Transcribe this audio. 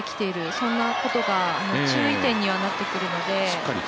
そんなことが注意点にはなってくるので。